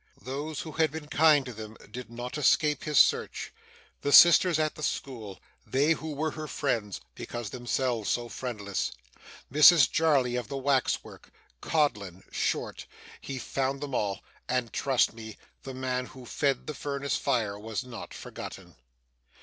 Those who had been kind to them, did not escape his search. The sisters at the school they who were her friends, because themselves so friendless Mrs Jarley of the wax work, Codlin, Short he found them all; and trust me, the man who fed the furnace fire was not forgotten.